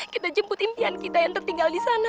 kita jemput impian kita yang tertinggal di sana